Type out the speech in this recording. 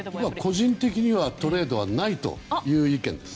個人的にはトレードはないという意見です。